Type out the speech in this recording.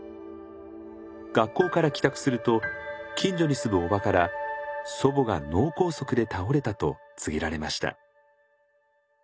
学校から帰宅すると近所に住む叔母から祖母が脳梗塞で倒れたと告げられました。